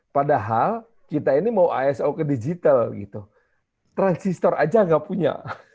padahal kita ini mau iso ke digital gitu transistor aja nggak punya